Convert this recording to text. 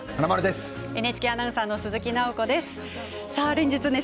ＮＨＫアナウンサーの鈴木奈穂子です。